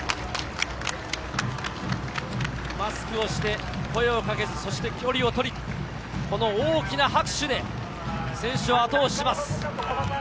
マスクをして、声をかけず、距離をとり、大きな拍手で選手を後押しします。